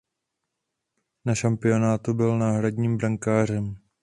Na šampionátu byl náhradním brankářem.